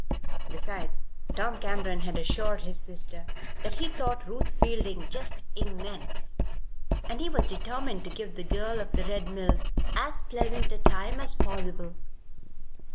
Besides, Tom Cameron had assured his sister that he thought Ruth Fielding "just immense," and he was determined to give the girl of the Red Mill as pleasant a time as possible.